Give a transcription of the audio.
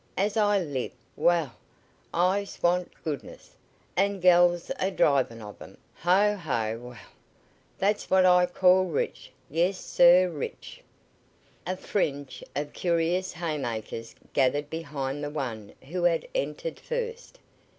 As I live! Wa'al, I swan t' goodness! An' gals a drivin' of 'em! Ho! ho! Wa'al, that's what I call rich yes, sir, rich!" A fringe of curious haymakers gathered behind the one who had entered first.